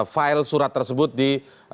file surat tersebut di